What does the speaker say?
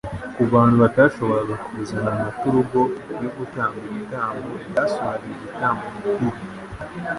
Ku bantu batashoboraga kuzana amaturugo yo gutamba ibitambo byasuraga igitambo gikuru,